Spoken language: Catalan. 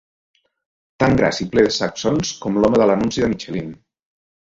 Tan gras i ple de sacsons com l'home de l'anunci de Michelin.